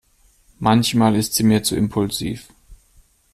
Manchmal ist sie mir zu impulsiv.